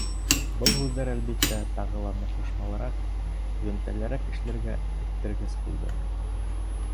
— Был һүҙҙәр, әлбиттә, тағы ла ныҡышмалыраҡ, һөҙөмтәлерәк эшләргә этәргес булды.